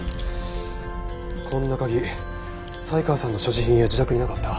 こんな鍵才川さんの所持品や自宅になかった。